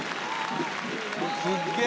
すっげえ。